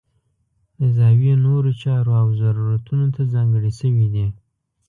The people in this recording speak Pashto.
د زاویې نورو چارو او ضرورتونو ته ځانګړې شوي دي.